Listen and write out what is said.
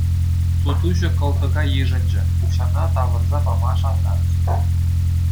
Сутуҫӑ кӑлтӑка йышӑнчӗ, укҫана тавӑрса пама шантарчӗ.